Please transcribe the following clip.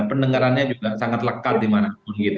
ya pendengarannya juga sangat lekat di mana mana